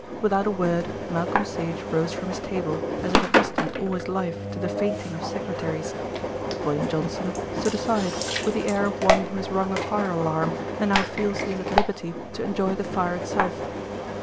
Without a word Malcolm Sage rose from his table, as if accustomed all his life to the fainting of secretaries. William Johnson stood aside, with the air of one who has rung a fire alarm and now feels he is at liberty to enjoy the fire itself.